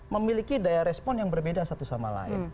memiliki daya respon yang berbeda satu sama lain